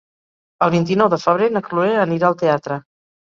El vint-i-nou de febrer na Chloé anirà al teatre.